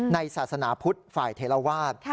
ในศาสนาพุทธภายเทลวาส